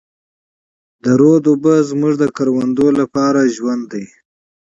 د سیند اوبه زموږ د پټیو لپاره ژوند دی.